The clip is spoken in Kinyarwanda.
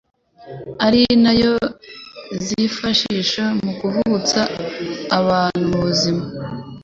ari nayo zifashisha mu kuvutsa abantu ubuzima